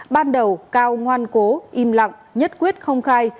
ban đầu cao ngoan cố im lặng nhất quyết không khai